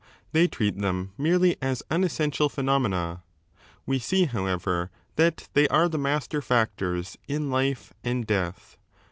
They treat them merely as unessential phe nomena. We see, however, that they are the master factors in life and death.